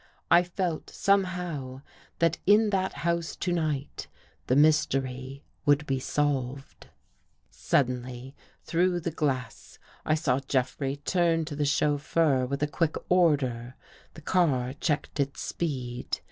I felt, somehow, that in that house to night, the mystery would be solved. Suddenb^ through the glass, I saw Jeffrey turn to the chauffeur with a quick order. The car checked its speed.